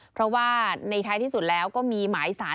เพราะว่าในท้ายที่สุดแล้วก็มีหมายสาร